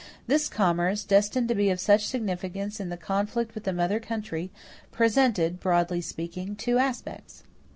This commerce, destined to be of such significance in the conflict with the mother country, presented, broadly speaking, two aspects.